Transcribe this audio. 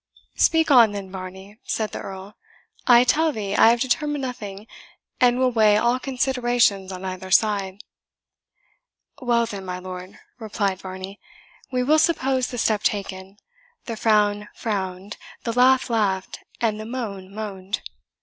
"Speak on, then, Varney," said the Earl; "I tell thee I have determined nothing, and will weigh all considerations on either side." "Well, then, my lord," replied Varney, "we will suppose the step taken, the frown frowned, the laugh laughed, and the moan moaned.